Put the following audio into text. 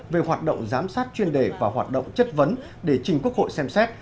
về hoạt động giám sát chuyên đề và hoạt động chất vấn để trình quốc hội xem xét